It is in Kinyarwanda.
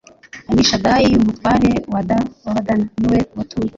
Amishadayi umutware w Abadani ni we watuye